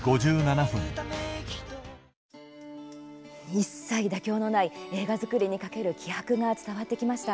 一切、妥協のない映画作りに懸ける気迫が伝わってきました。